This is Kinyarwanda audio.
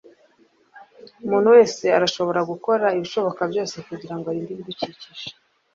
Umuntu wese arashobora gukora ibishoboka byose kugirango arinde ibidukikije.